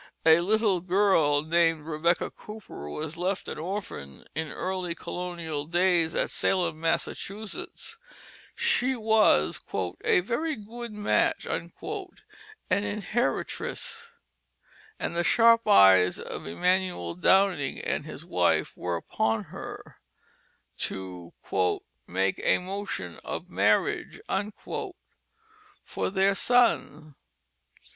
A little girl named Rebecca Cooper was left an orphan in early colonial days at Salem, Massachusetts. She was "a verie good match," an "inheritrice," and the sharp eyes of Emanuel Downing and his wife were upon her to "make a motion of marriage" for their son.